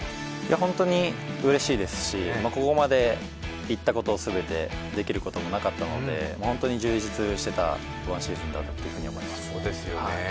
本当にうれしいですしここまでいったことすべてできることがなかったので本当に充実してたワンシーズンだったと思います。